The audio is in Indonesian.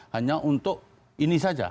hanya untuk ini saja